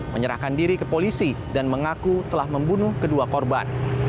menyerahkan diri ke polisi dan mengaku telah membunuh kedua korban